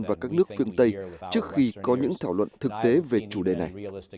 và các nước phương tây trước khi có những thảo luận thực tế về chủ đề này